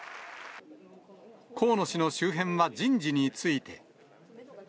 河野氏の周辺は人事について。